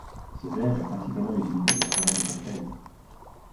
Ce verre est principalement utilisé pour servir des cocktails.